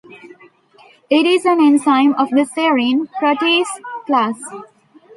It is an enzyme of the serine protease class.